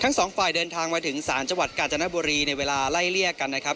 ทั้งสองฝ่ายเดินทางมาถึงศาลจังหวัดกาญจนบุรีในเวลาไล่เลี่ยกันนะครับ